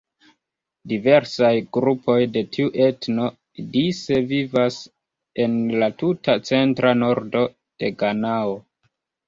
Diversaj grupoj de tiu etno dise vivas en la tuta centra nordo de Ganao.